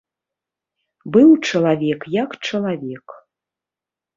Быў чалавек як чалавек.